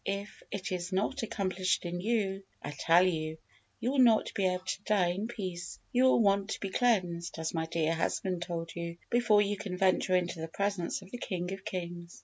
If it is not accomplished in you, I tell you, you will not be able to die in peace. You will want to be cleansed, as my dear husband told you, before you can venture into the presence of the King of kings.